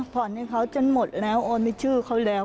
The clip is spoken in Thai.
ผ่อนให้เขาจนหมดแล้วโอนในชื่อเขาแล้ว